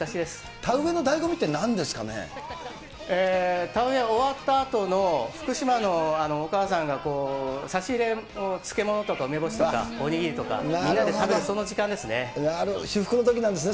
田植えのだいご味ってなんで田植え終わったあとの福島のお母さんが、差し入れ、漬物とか梅干しとかお握りとか、みんなで食べる、その時間ですね。